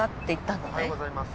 おはようございます